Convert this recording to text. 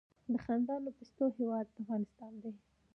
د خندانو پستو هیواد افغانستان.